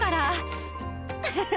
フフフ！